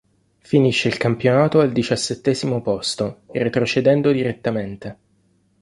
Finisce il campionato al diciassettesimo posto, retrocedendo direttamente.